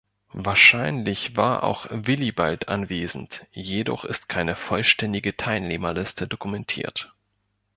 Wahrscheinlich war auch Willibald anwesend, jedoch ist keine vollständige Teilnehmerliste dokumentiert.